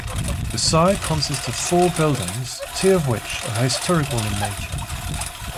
The site consists of four buildings, two of which are historical in nature.